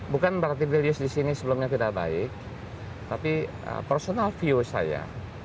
bukan berarti values di sini sebelumnya tidak baik tapi personal view saya